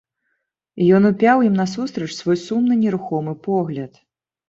Ён упяў ім насустрач свой сумны нерухомы погляд.